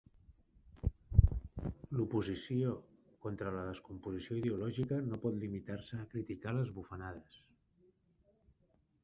L'oposició contra la descomposició ideològica no pot limitar-se a criticar les bufonades.